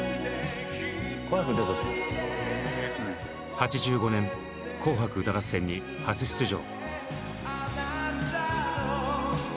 ８５年「紅白歌合戦」に初出場。